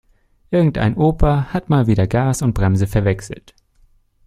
Irgendein Opa hat mal wieder Gas und Bremse verwechselt.